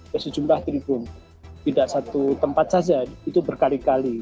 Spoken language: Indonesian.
ke sejumlah tribun tidak satu tempat saja itu berkali kali